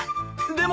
でも。